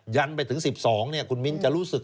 ยันไปถึง๑๒คุณมิ้นจะรู้สึก